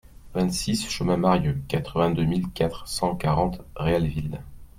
vingt-six chemin de Marieu, quatre-vingt-deux mille quatre cent quarante Réalville